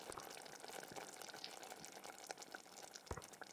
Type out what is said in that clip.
পারিবারিক ব্যবসায় নেতৃত্ব দিয়ে সামনের দিকে এগিয়ে নিয়ে যাচ্ছেন ময়রা ফোর্বস।